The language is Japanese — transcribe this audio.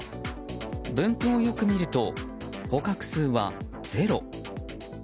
分布をよく見ると、捕獲数はゼロ。